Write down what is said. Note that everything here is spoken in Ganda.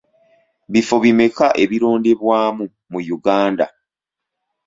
Bifo bimeka ebirondebwamu mu Uganda?